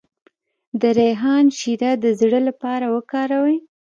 د ریحان شیره د زړه لپاره وکاروئ